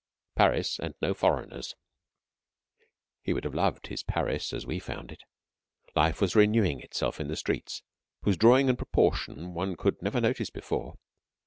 PARIS AND NO FOREIGNERS He would have loved his Paris as we found it. Life was renewing itself in the streets, whose drawing and proportion one could never notice before.